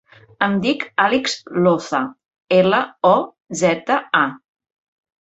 Em dic Alix Loza: ela, o, zeta, a.